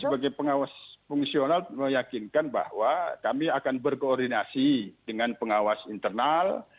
sebagai pengawas fungsional meyakinkan bahwa kami akan berkoordinasi dengan pengawas internal